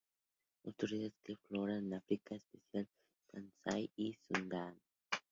Autoridad en la flora de África, en especial Tanzania y Sudán.